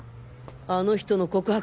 あの人の告白